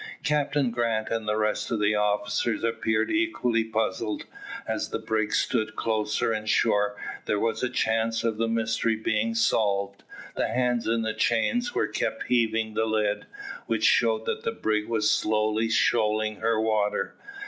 Captain Grant and the rest of the officers appeared equally puzzled. As the brig stood closer in shore there was a chance of the mystery being solved. The hands in the chains were kept heaving the lead, which showed that the brig was slowly shoaling her water.